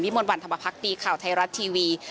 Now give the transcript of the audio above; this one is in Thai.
วิมวันวันธรรมภักดีข่าวไทยรัตน์ทีวี